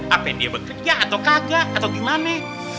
apa dia bekerja atau kagak atau gimana